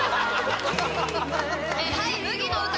はい「麦の唄」